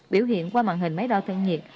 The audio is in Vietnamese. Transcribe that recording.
biểu hiện qua mạng hình máy đo thân nhiệt